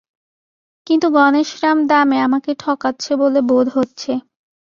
কিন্তু গণেশরাম দামে আমাকে ঠকাচ্ছে বলে বোধ হচ্ছে।